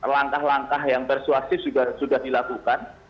langkah langkah yang persuasif juga sudah dilakukan